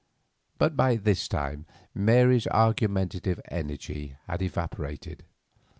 But by this time Mary's argumentative energy had evaporated.